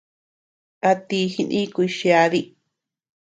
¿A ti jinukuy chiadi?